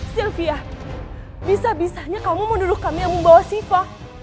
sylvia bisa bisanya kamu menuduh kami yang membawa siva